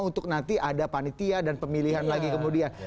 untuk nanti ada panitia dan pemilihan lagi kemudian